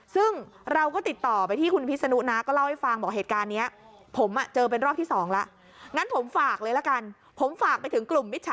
ซึ่งเราก็ติดต่อไปที่คุณพิษนุนะก็เล่าให้ฟัง